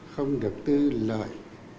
không được tư lợi